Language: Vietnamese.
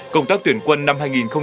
công tác tuyển quân năm hai nghìn hai mươi